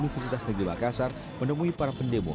universitas negeri makassar menemui para pendemo